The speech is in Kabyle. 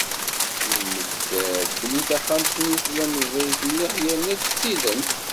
Yemmekta-d belli taxxamt-nni tella meẓẓiyet mliḥ yerna d tilemt.